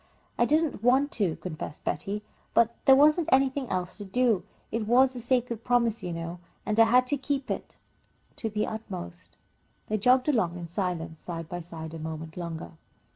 "I didn't want to," confessed Betty, "but there wasn't anything else to do. It was a sacred promise, you know, and I had to keep it to the utmost." They jogged along in silence side by side, a moment longer.